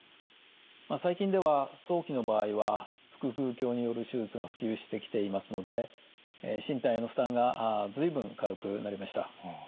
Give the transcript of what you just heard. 最近では早期の場合は腹腔鏡による手術が普及してきていますので身体への負担が随分軽くなりました。